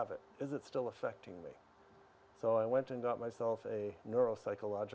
jadi saya pergi dan membuat ujian psikologi